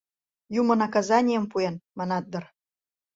«Юмо наказанийым пуэн» манат дыр.